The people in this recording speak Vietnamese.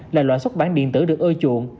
là loại xuất bản điện tử được ưa chuộng